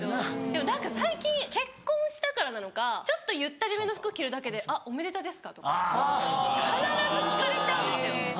でも何か最近結婚したからなのかちょっとゆったりめの服着るだけで「あっおめでたですか？」とか必ず聞かれちゃうんですよ。